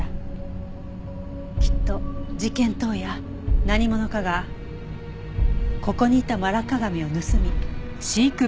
きっと事件当夜何者かがここにいたマラッカガメを盗み。